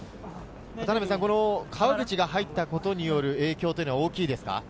川口が入ったことによる影響は大きいですか？